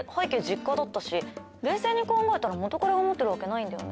実家だったし冷静に考えたら元カレが持ってるわけないんだよね。